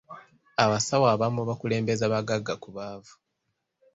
Abasawo abamu bakulembeza bagagga ku baavu.